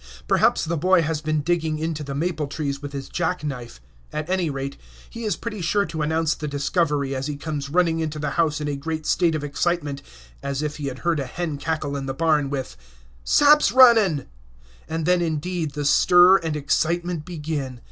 Perhaps the boy has been out digging into the maple trees with his jack knife; at any rate, he is pretty sure to announce the discovery as he comes running into the house in a great state of excitement as if he had heard a hen cackle in the barn with "Sap's runnin'!" And then, indeed, the stir and excitement begin.